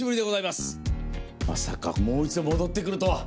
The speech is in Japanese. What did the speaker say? まさかもう一度戻って来るとは。